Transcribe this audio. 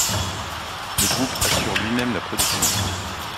Le groupe assure lui-même la production.